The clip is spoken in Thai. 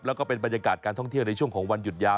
แล้วก็เป็นบรรยากาศการท่องเที่ยวในช่วงของวันหยุดยาว